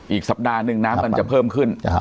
อีกสัปดาห์หนึ่งน้ำมันจะเพิ่มขึ้น